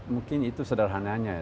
mungkin itu sederhananya ya